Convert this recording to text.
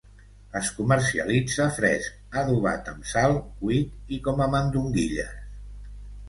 Es comercialitza fresc, adobat amb sal, cuit i com a mandonguilles.